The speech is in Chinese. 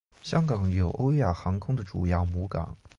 香港有欧亚航空的主要母港。